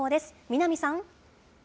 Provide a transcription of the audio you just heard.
南さん。